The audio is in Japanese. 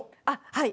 はい。